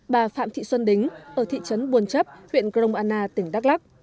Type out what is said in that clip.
bà phạm thị xuân đính ở thị trấn buồn chấp huyện gromana tỉnh đắk lắc